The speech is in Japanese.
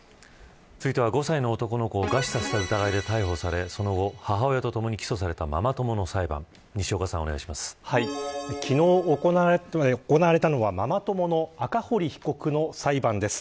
続いては、５歳の男の子を餓死させた疑いで逮捕されその後、母親とともに起訴された昨日、行われたのはママ友の赤堀被告の裁判です。